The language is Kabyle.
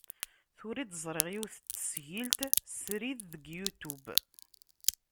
Tura i d-ẓriɣ yiwet n tesgilt srid deg Youtube.